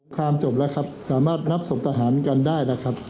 จบแล้วครับสามารถรับส่งทหารกันได้นะครับ